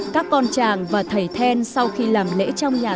các con tràng và thầy then sau khi làm lễ trong nhà